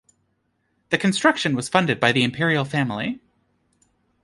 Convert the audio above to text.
The construction was funded by the imperial family.